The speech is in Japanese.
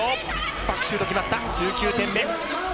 バックシュート、決まった１９点目。